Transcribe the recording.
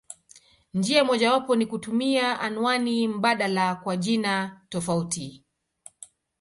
Njia mojawapo ni kutumia anwani mbadala kwa jina tofauti.